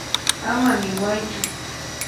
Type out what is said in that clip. Ama niwaychu.